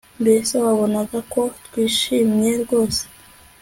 mbese wabonaga ko twishimye rwose